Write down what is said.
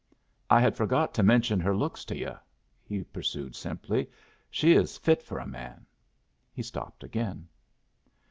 "I had forgot to mention her looks to yu'." he pursued, simply. "She is fit for a man." He stopped again.